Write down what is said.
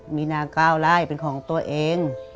มีนางก้าวร้ายเป็นของตัวเอง